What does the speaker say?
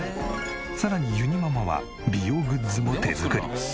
さらにゆにママは美容グッズも手作り。